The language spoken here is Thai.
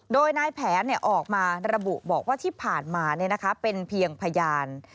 โดยนายแผนออกมาระบุบอกว่าที่ผ่านมาเป็นเพียงพยาน